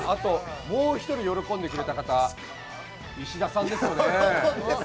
もう１人喜んでくれた方、石田さんですよね。